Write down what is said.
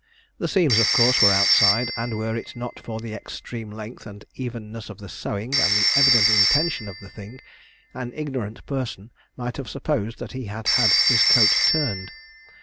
The seams, of course, were outside, and were it not for the extreme strength and evenness of the sewing and the evident intention of the thing, an ignorant person might have supposed that he had had his coat turned.